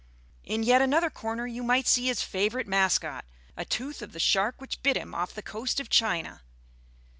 In yet another corner you might see his favourite mascot, a tooth of the shark which bit him off the coast of China.